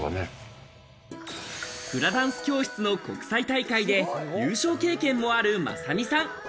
フラダンス教室の国際大会で、優勝経験もある雅美さん。